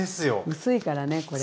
薄いからねこれ。